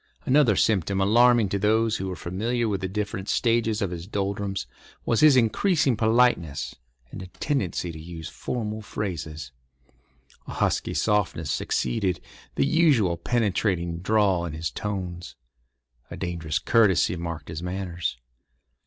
Another symptom alarming to those who were familiar with the different stages of his doldrums was his increasing politeness and a tendency to use formal phrases. A husky softness succeeded the usual penetrating drawl in his tones. A dangerous courtesy marked his manners.